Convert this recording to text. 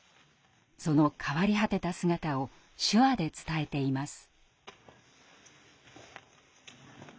その変わり果てた姿を「手話」で伝えています。